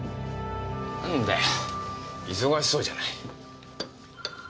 なんだよ忙しそうじゃない。